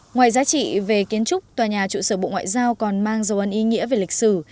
ngoài giá trị về kiến trúc tòa nhà trụ sở bộ ngoại giao còn mang dấu ấn ý nghĩa về lịch sử